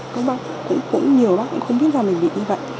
các bác cũng nhiều bác cũng không biết làm gì như vậy